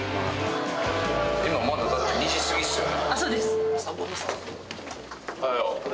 今まだだって２時過ぎっすよね？